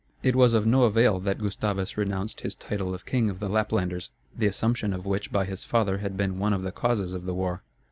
It was of no avail that Gustavus renounced his title of King of the Laplanders, the assumption of which by his father had been one of the causes of the war.